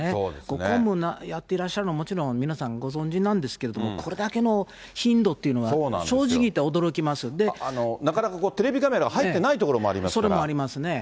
ご公務やっていらっしゃるのは、もちろん皆さんご存じなんですけども、これだけの頻度っていうのは、なかなかテレビカメラが入っそれもありますね。